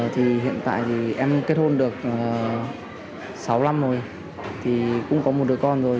thì hiện tại thì em kết hôn được sáu năm rồi thì cũng có một đứa con rồi